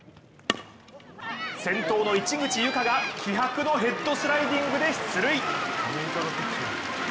先頭の市口侑果が気迫のヘッドスライディングで出塁。